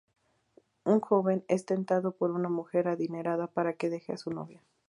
Un joven es tentado por una mujer adinerada para que deje a su novia.